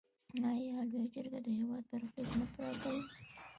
آیا لویه جرګه د هیواد برخلیک نه ټاکي؟